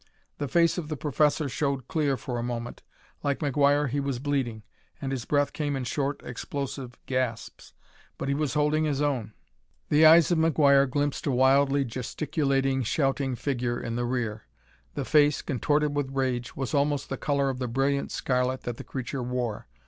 The face of the professor showed clear for a moment. Like McGuire he was bleeding, and his breath came in short explosive gasps, but he was holding his own! The eyes of McGuire glimpsed a wildly gesticulating, shouting figure in the rear. The face, contorted with rage, was almost the color of the brilliant scarlet that the creature wore.